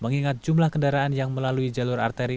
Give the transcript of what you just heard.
mengingat jumlah kendaraan yang melalui jalur arteri